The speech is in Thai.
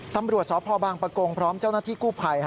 ตำรวจสพบางประกงพร้อมเจ้าหน้าที่กู้ภัย